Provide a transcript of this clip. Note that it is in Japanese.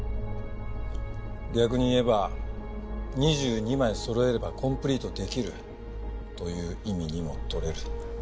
逆に言えば２２枚そろえればコンプリートできる。という意味にも取れる。